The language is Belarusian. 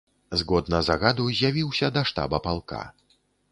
Згодна загаду, з'явіўся да штаба палка.